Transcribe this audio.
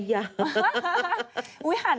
ปล่อยให้เบลล่าว่าง